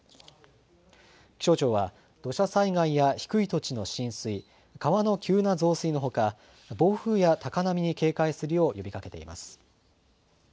気象庁は土砂災害や低い土地の浸水、川の急な増水のほか、暴風や高波に警戒するよう呼びかけています。